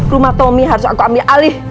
rumah tommy harus aku ambil alih